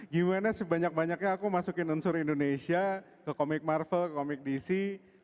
gimana sebanyak banyaknya aku masukin unsur indonesia ke komik marvel komik dc